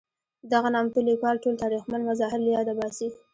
دغه نامتو لیکوال ټول تاریخمن مظاهر له یاده باسي.